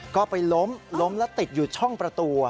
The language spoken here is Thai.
ก็ไปล้มล้มแล้วติดอยู่ช่องประตู